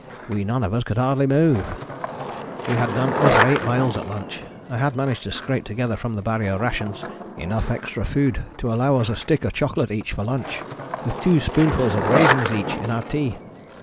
We none of us could hardly move."] We had done over eight miles at lunch. I had managed to scrape together from the Barrier rations enough extra food to allow us a stick of chocolate each for lunch, with two spoonfuls of raisins each in our tea.